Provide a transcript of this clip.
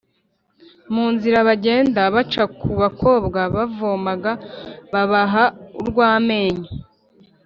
mu nzira bagenda, baca ku bakobwa bavomaga, babaha urw'amenyo,